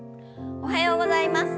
おはようございます。